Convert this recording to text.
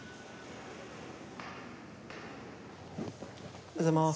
おはようございます。